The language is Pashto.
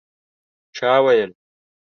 چا ویل